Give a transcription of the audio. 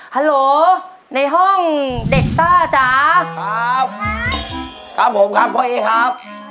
ฮัลโหลในห้องเด็กต้าจ๊าครับครับพ่ออี๊ครับ